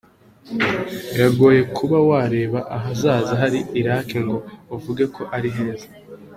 Biragoye kuba wareba ahazaza ha Iraq ngo uvuge ko ari heza.